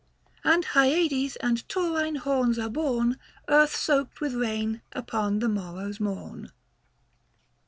And Hyades and Taurine horns are born Earth soaked with rain, upon the morrow's morn.